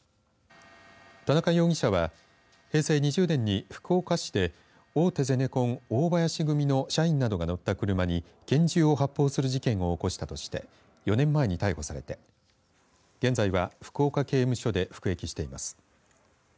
田中容疑者は平成２０年に福岡市で大手ゼネコン大林組の社員などが乗った車に拳銃を発砲する事件を起こしたとして４年前に逮捕されて現在は福岡刑務所で服役しています。